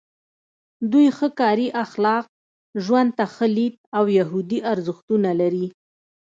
دوی ښه کاري اخلاق، ژوند ته ښه لید او یهودي ارزښتونه لري.